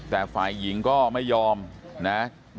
แต่ฝ่ายหญิงก็ไม่ยอมนะ